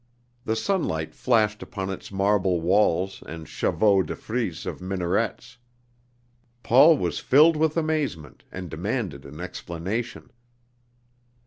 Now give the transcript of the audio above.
The sunlight flashed upon its marble walls and chevaux de frise of minarets. Paul was filled with amazement, and demanded an explanation.